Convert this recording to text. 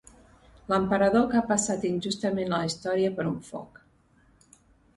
L'emperador que ha passat injustament a la història per un foc.